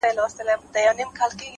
o دا څنګه چل دی د ژړا او د خندا لوري،